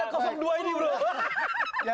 kamu kasih alat dua ini bro